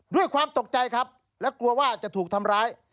ด้วยความตกใจครับและกลัวว่าจะถูกทำร้าย